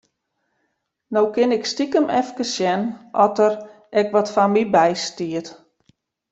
No kin ik stikem efkes sjen oft der ek wat foar my by stiet.